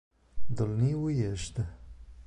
Dolní Újezd